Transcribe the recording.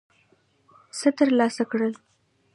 څه ترلاسه کړل.